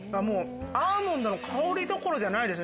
アーモンドの香りどころじゃないです